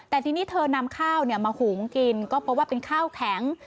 แต่ทีนี้เธอนำข้าวมาหุงกินก็เพราะว่าเป็นข้าวแข็ง